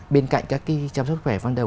bên cạnh các cái chăm sóc khỏe văn đầu